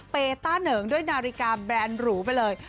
เปต้าเหนิงด้วยนาฬิกาแบรนด์หรูไปเลย